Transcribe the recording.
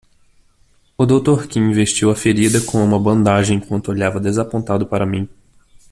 O doutor Kim vestiu a ferida com uma bandagem enquanto olhava desapontado para mim.